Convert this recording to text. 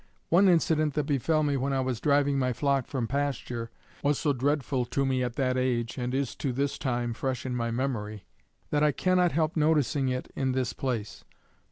One incident that befel me when I was driving my flock from pasture, was so dreadful to me at that age, and is to this time fresh in my memory, that I cannot help noticing it in this place.